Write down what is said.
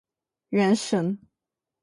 原神